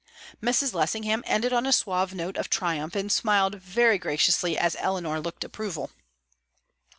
Mrs. Lessingham ended on a suave note of triumph, and smiled very graciously as Eleanor looked approval.